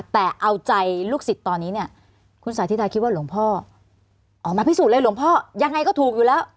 แต่เอาใจลูกศิษย์ตอนนี้เนี่ยคุณสาธิดาคิดว่าหลวงพ่อออกมาพิสูจนเลยหลวงพ่อยังไงก็ถูกอยู่แล้ว